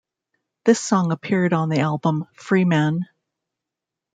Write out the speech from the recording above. This song appeared on the album "Freeman".